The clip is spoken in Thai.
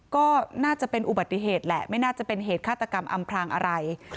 ก็น่าจะเป็นอุบัติเหตุแหละไม่น่าจะเป็นเหตุฆาตกรรมอำพลางอะไร